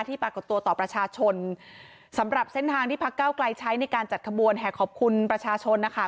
ปรากฏตัวต่อประชาชนสำหรับเส้นทางที่พักเก้าไกลใช้ในการจัดขบวนแห่ขอบคุณประชาชนนะคะ